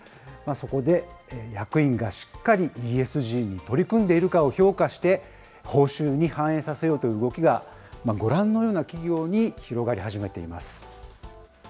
そこで、役員がしっかりＥＳＧに取り組んでいるかを評価して、報酬に反映させようという動きが、ご覧のような企業に広がり始めています。